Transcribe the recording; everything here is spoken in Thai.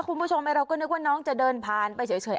คุณผู้ชมเราก็นึกว่าน้องจะเดินผ่านไปเฉย